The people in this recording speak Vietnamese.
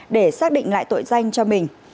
để xác định lại tội danh cho mình